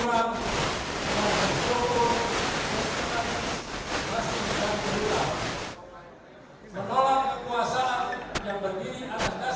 berjurur jurur dan masih tidak berjurur jurur